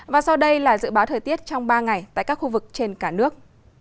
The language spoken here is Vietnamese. và sau đây là dự báo thời tiết trong ba ngày tại các khu vực trên cả nước